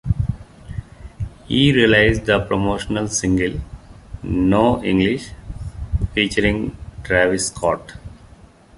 He released the promotional single "No English" featuring Travis Scott.